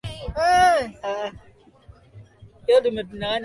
hadi aundwe na kuishi ndani mwetu akitushirikisha uhai kifo na ufufuko wake